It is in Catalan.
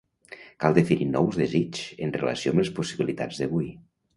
Cal definir nous desigs en relació amb les possibilitats d'avui.